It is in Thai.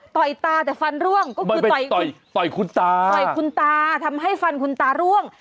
ต่อยตาแต่ฟันร่วงก็คือต่อยคุณตาทำให้ฟันคุณตาร่วง